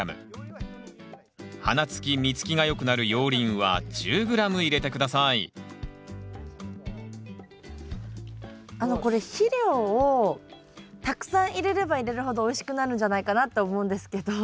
花つき実つきが良くなる熔リンは１０ｇ入れて下さいあのこれ肥料をたくさん入れれば入れるほどおいしくなるんじゃないかなって思うんですけど。